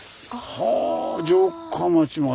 はあ城下町まで。